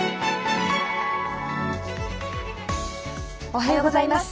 おはようございます。